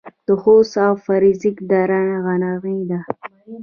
د خوست او فرنګ دره غرنۍ ده